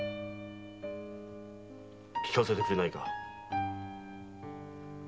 聞かせてくれないか。